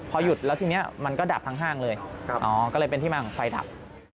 พอหยุดแล้วทีนี้มันก็ดับทั้งห้างเลยก็เลยเป็นที่มาของไฟดับ